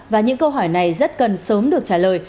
và những câu hỏi này rất cần sớm được trả lời